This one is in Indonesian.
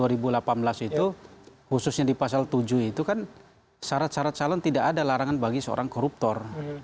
karena kalau kita lihat peraturan pkpu nomor dua puluh tahun dua ribu delapan belas itu khususnya di pasal tujuh itu kan syarat syarat calon tidak ada larangan bagi seorang koruptor